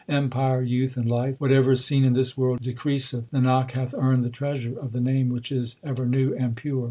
Empire, youth, and life whatever is seen in this world decreaseth. Nanak hath earned the treasure of the Name which is ever new and pure.